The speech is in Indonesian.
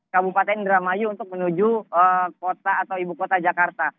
kabupaten indramayu untuk menuju kota atau ibu kota jakarta